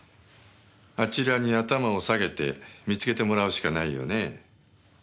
あちらに頭を下げて見つけてもらうしかないよね。